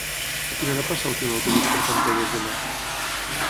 A quina hora passa el primer autobús per Campelles demà?